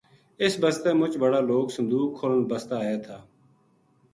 اس بسطے مچ بڑا لوک صندوق کھولن بسطے آیا تھا